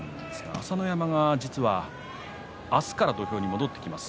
朝乃山が明日から土俵に戻ってきます。